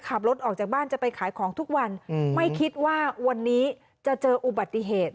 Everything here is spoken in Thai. ขับรถออกจากบ้านจะไปขายของทุกวันไม่คิดว่าวันนี้จะเจออุบัติเหตุ